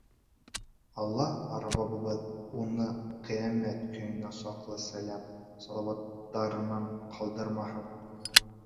Алла Раббыбыҙ уны Ҡиәмәт көнөнә саҡлы сәләм-салауаттарынан ҡалдырмаһын!